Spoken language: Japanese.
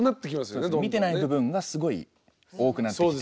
見てない部分がすごい多くなってきて。